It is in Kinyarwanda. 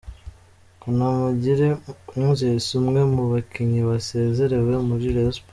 Kanamugire Moses umwe mu bakinnyi basezerewe muri Rayon Sports.